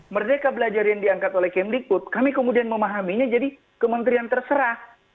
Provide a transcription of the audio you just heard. merdeka belajar yang diangkat oleh kemdikbud kami kemudian memahaminya jadi kementerian terserah